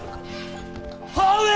母上！